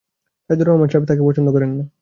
সাইদুর রহমান সাহেব তাঁকে পছন্দ করেন না।